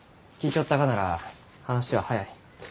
ちょったがなら話は早い。